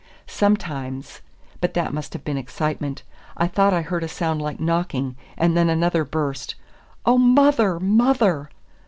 Sometimes but that must have been excitement I thought I heard a sound like knocking, and then another burst, "Oh, mother! mother!"